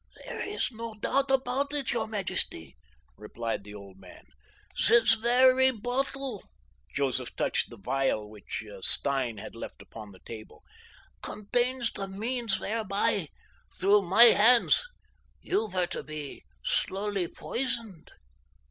"There is no doubt about it, your majesty," replied the old man. "This very bottle"—Joseph touched the phial which Stein had left upon the table—"contains the means whereby, through my hands, you were to be slowly poisoned."